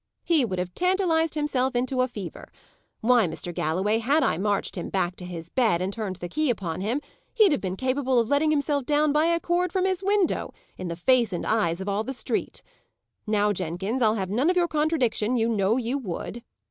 "He would have tantalized himself into a fever. Why, Mr. Galloway, had I marched him back to his bed and turned the key upon him, he'd have been capable of letting himself down by a cord from his window, in the face and eyes of all the street. Now, Jenkins, I'll have none of your contradiction! you know you would."